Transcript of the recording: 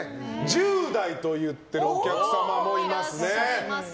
１０代と言っているお客様もいらっしゃいますね。